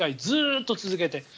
ずっと続けて。